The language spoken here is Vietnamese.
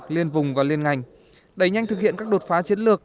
liên vùng và liên ngành đẩy nhanh thực hiện các đột phá chiến lược